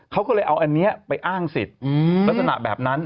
เขาก็เลยเอาอันนี้ไปอ้างสิทธิ์ลักษณะแบบนั้น